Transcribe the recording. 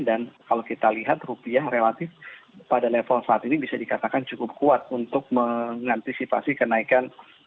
dan kalau kita lihat rupiah relatif pada level saat ini bisa dikatakan cukup kuat untuk mengantisipasi kenaikan